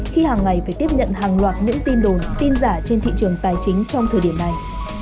khi hàng ngày phải tiếp nhận hàng loạt những tin đồn tin giả trên thị trường tài chính trong thời điểm này